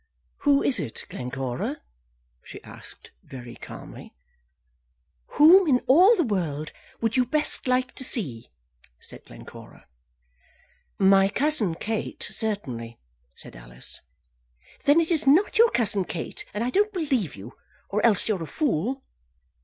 "Who is it, Glencora?" she asked, very calmly. "Whom in all the world would you best like to see?" said Glencora. "My cousin Kate, certainly," said Alice. "Then it is not your cousin Kate. And I don't believe you; or else you're a fool."